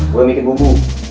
gua mikir bubu